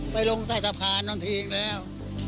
ไปลงใต้สะพานนอนทีอีกแล้ว